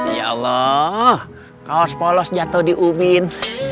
ya allah kaos polos jatuh di ubin